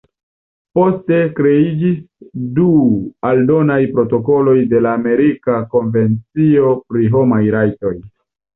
Poste kreiĝis du aldonaj protokoloj de la Amerika Konvencio pri Homaj Rajtoj.